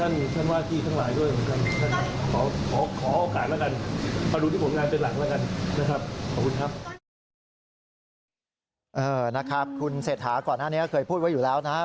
นะครับคุณเศรษฐาก่อนหน้านี้เคยพูดไว้อยู่แล้วนะครับ